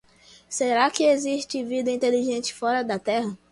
Será que existe vida inteligente fora da Terra?